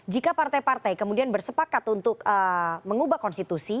jika partai partai kemudian bersepakat untuk mengubah konstitusi